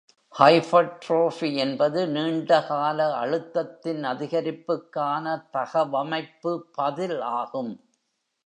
Hypertrophy என்பது நீண்டகால அழுத்தத்தின் அதிகரிப்புக்கான தகவமைப்பு பதில் ஆகும்.